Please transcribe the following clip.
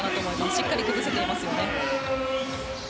しっかり崩せていますよね。